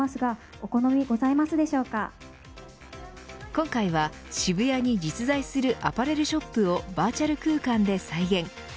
今回は、渋谷に実在するアパレルショップをバーチャル空間で再現。